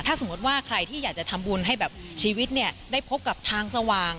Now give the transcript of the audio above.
ถ้าสมมติว่าใครที่อยากจะทำบุญให้แบบชีวิตเนี่ยได้พบกับทางสว่าง